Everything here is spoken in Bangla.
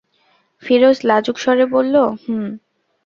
ফিরোজ লাজুক স্বরে বলল, হুঁ।